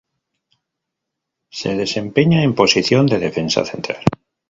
Se desempeña en posición de defensa central.